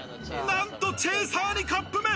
なんとチェイサーにカップ麺。